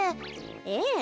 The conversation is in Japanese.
ええ。